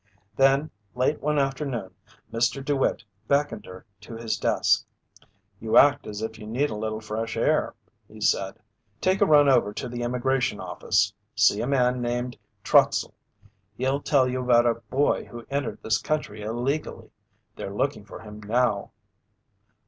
Then late one afternoon, Mr. DeWitt beckoned her to his desk. "You act as if you need a little fresh air," he said. "Take a run over to the Immigration Office. See a man named Trotsell. He'll tell you about a boy who entered this country illegally. They're looking for him now."